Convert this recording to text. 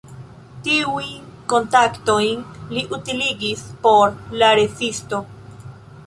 Tiujn kontaktojn li utiligis por la rezisto.